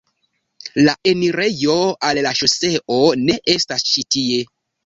La enirejo al la ŝoseo ne estas ĉi tie.